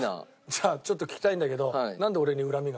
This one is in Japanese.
じゃあちょっと聞きたいんだけど。